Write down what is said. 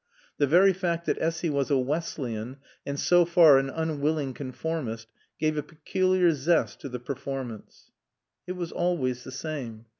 The very fact that Essy was a Wesleyan and so far an unwilling conformist gave a peculiar zest to the performance. It was always the same.